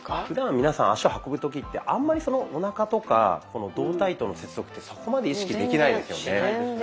ふだん皆さん足を運ぶ時ってあんまりおなかとか胴体との接続ってそこまで意識できないですよね。